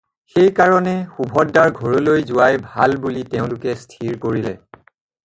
সেই কাৰণে সুভদ্ৰাৰ ঘৰলৈ যোৱাই ভাল বুলি তেওঁলোকে স্থিৰ কৰিলে।